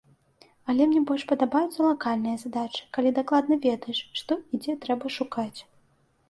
Але мне больш падабаюцца лакальныя задачы, калі дакладна ведаеш, што і дзе трэба шукаць.